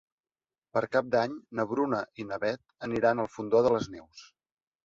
Per Cap d'Any na Bruna i na Beth aniran al Fondó de les Neus.